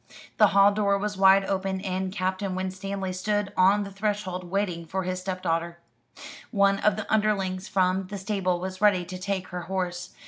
The hall door was wide open, and Captain Winstanley stood on the threshold, waiting for his stepdaughter. One of the underlings from the stable was ready to take her horse.